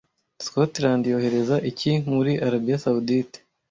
Scotland yohereza iki muri Arabiya Sawudite